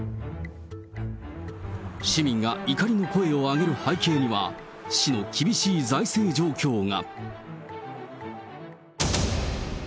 市民が怒りの声を上げる背景には、市の厳しい財政状況が。